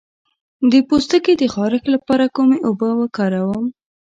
د پوستکي د خارښ لپاره کومې اوبه وکاروم؟